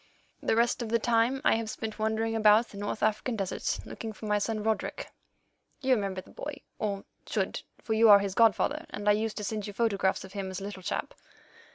The rest of the time I have spent wandering about the North African deserts looking for my son, Roderick. You remember the boy, or should, for you are his godfather, and I used to send you photographs of him as a little chap."